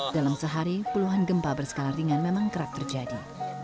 dalam sehari puluhan gempa berskala ringan memang kerap terjadi